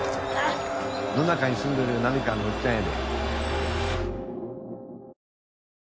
野中に住んどる波川のおっちゃんやで。